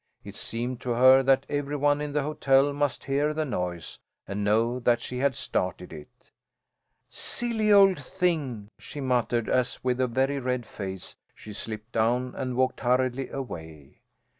It seemed to her that every one in the hotel must hear the noise, and know that she had started it. "Silly old thing!" she muttered, as with a very red face she slipped down and walked hurriedly away.